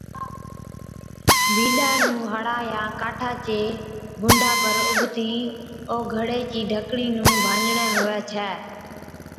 بِينڏا نُون ھڙا يان ڪاٺا چي بُنڊا پر اُڀتِي او گھڙي چِي ڍڪڻِي نُون ڀاڃڙي ھُوي ڇَي